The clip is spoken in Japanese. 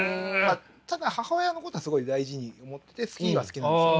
ただ母親のことはすごい大事に思ってて好きは好きなんですよ。